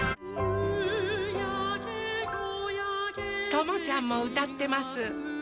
ともちゃんもうたってます。